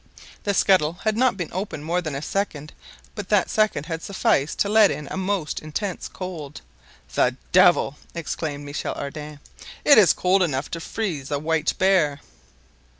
The scuttle had not been opened more than a second, but that second had sufficed to let in a most intense cold. "The devil!" exclaimed Michel Ardan, "it is cold enough to freeze a white bear."